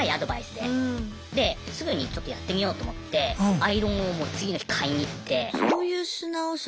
ですぐにちょっとやってみようと思ってアイロンをもう次の日買いに行って。